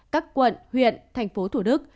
các quận huyện thành phố thủ đức